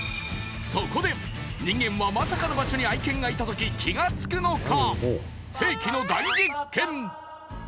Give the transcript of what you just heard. そこで人間はまさかの場所に愛犬がいた時気がつくのか？